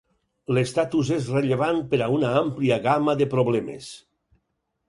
L'estatus és rellevant per a una àmplia gamma de problemes.